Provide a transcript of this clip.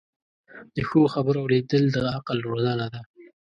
د ښو خبرو اوریدل د عقل روزنه ده.